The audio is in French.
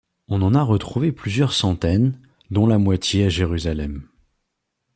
On en a retrouvé plusieurs centaines, dont la moitié à Jérusalem.